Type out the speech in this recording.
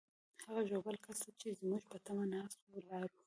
هغه ژوبل کس ته چې زموږ په تمه ناست وو، ولاړو.